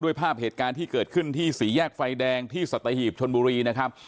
กันด้วยภาพเหตุการณ์ที่เกิดขึ้นที่ศรีแยกไฟแดงที่สะถัยหีบชลบุรีนะครับ